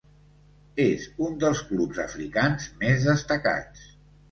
És un dels clubs africans més destacats.